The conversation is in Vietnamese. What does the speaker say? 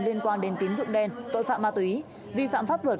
liên quan đến tín dụng đen tội phạm ma túy vi phạm pháp luật